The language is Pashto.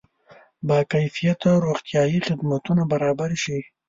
با کیفیته روغتیایي خدمتونه برابر شي.